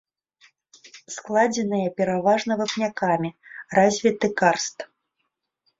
Складзеныя пераважна вапнякамі, развіты карст.